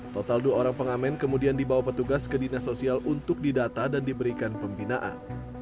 total dua orang pengamen kemudian dibawa petugas ke dinas sosial untuk didata dan diberikan pembinaan